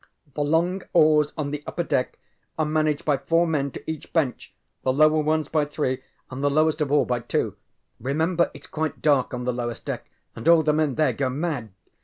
The long oars on the upper deck are managed by four men to each bench, the lower ones by three, and the lowest of all by two. Remember itŌĆÖs quite dark on the lowest deck and all the men there go mad.